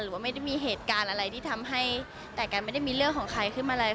ไม่ได้มีเหตุการณ์อะไรที่ทำให้แต่กันไม่ได้มีเรื่องของใครขึ้นมาเลย